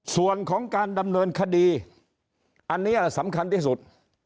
ส่วนของการดำเนินคดีอันนี้สำคัญที่สุด